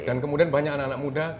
dan kemudian banyak anak anak muda